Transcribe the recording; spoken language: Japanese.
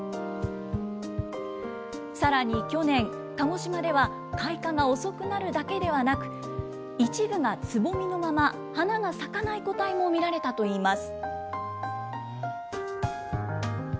さらに去年、鹿児島では開花が遅くなるだけではなく、一部がつぼみのまま花が咲かない個体も見られたといいます。